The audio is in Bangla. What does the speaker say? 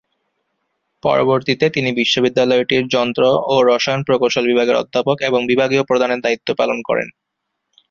পরবর্তীতে তিনি বিশ্ববিদ্যালয়টির যন্ত্র ও রসায়ন প্রকৌশল বিভাগের অধ্যাপক এবং বিভাগীয় প্রধানের দায়িত্ব পালন করেন।